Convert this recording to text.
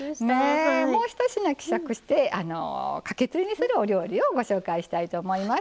もうひと品、希釈してかけつゆにするお料理をご紹介したいと思います。